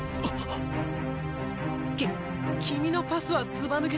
き君のパスはずば抜けてる！